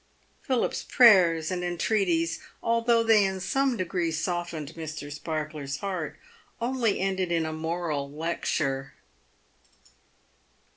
Philip's prayers and entreaties, although they in some degree softened Mr. Sparkler's heart, only ended in a moral lecture.